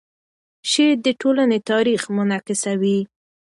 شعر د ټولنې تاریخ منعکسوي.